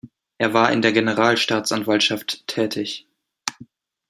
Er war in der Generalstaatsanwaltschaft tätig.